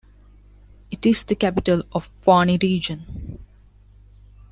It is the capital of Pwani Region.